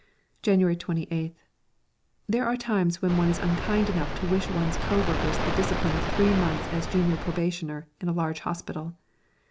January 28th. There are times when one is unkind enough to wish one's co workers the discipline of three months as junior probationer in a large hospital.